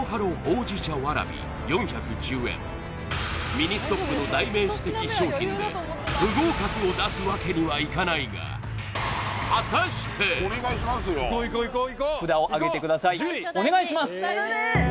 ミニストップの代名詞的商品で不合格を出すわけにはいかないが札をあげてくださいお願いします